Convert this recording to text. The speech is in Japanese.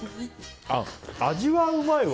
味はうまいわ。